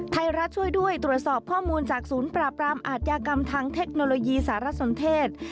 ไทยรัฐช่วยด้วยตรวจสอบข้อมูลจากศูนย์ปราบรามอาทยากรรมทางเทคโนโลยีสารสนเทศ